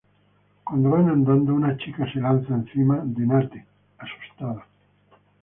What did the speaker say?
Cuando van andando, una chica se lanza encima de Nate, asustada.